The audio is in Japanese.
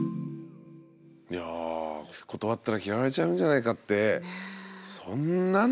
いや断ったら嫌われちゃうんじゃないかってそんなのね。